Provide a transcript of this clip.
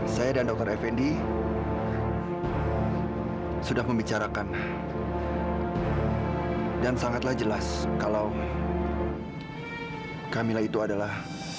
saya dan dr effendi sudah membicarakan dan sangatlah jelas kalau kamilah itu adalah